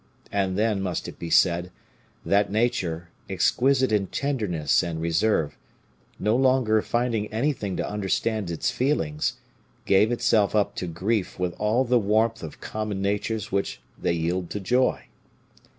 And then, must it be said, that nature, exquisite in tenderness and reserve, no longer finding anything to understand its feelings, gave itself up to grief with all the warmth of common natures when they yield to joy.